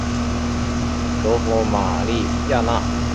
首府玛利亚娜。